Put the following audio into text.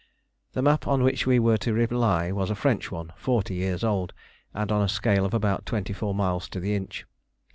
The map on which we were to rely was a French one, forty years old, and on a scale of about twenty four miles to the inch.